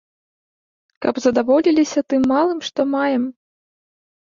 Каб задаволіліся тым малым, што маем.